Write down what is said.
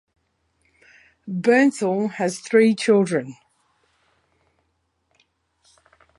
Bernthal has three children.